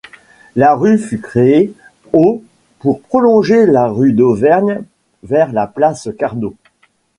La rue fut créée au pour prolonger la rue d'Auvergne vers la place Carnot.